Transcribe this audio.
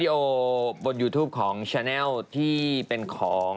ตัวของการจอดการจอดของแชนแนลที่เป็นของ